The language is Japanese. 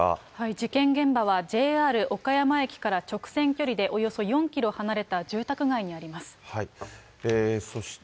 事件現場はＪＲ岡山駅から直線距離でおよそ４キロ離れた住宅そして。